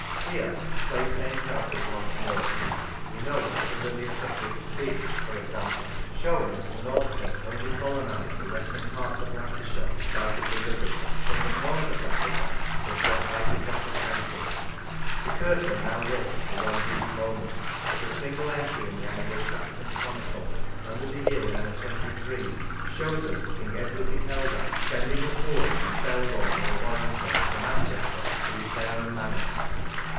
Here place names help us once more (we note the familiar suffix "by," for example), showing that the Northmen only colonised the western part of Lanca shire south of the Kibble, but that north of that river they swept right across the county. The curtain now lifts for one brief moment, for a single entry in the "Anglo Saxon Chronicle " under the year 923 shows us King Edward the Elder sending a 57 H Lancashire force from Thelwall, near Warrington, to Manchester, to repair and man it.